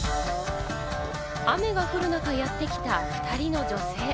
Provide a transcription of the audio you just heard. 雨が降る中やってきた２人の女性。